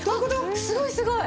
すごいすごい！